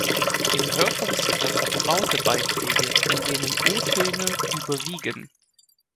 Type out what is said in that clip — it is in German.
Im Hörfunk sind das „gebaute Beiträge“, in denen O-Töne überwiegen.